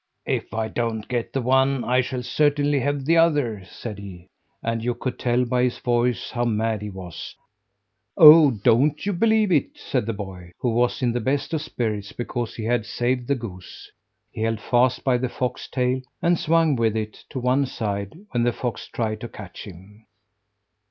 "If I don't get the one, I shall certainly have the other," said he; and you could tell by his voice how mad he was. "Oh, don't you believe it!" said the boy, who was in the best of spirits because he had saved the goose. He held fast by the fox tail, and swung with it to one side when the fox tried to catch him.